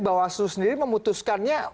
bawaslu sendiri memutuskannya